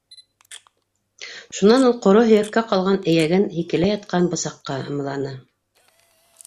- Шунан ул ҡоро һөйәккә ҡалған эйәген һикелә ятҡан бысаҡҡа ымланы.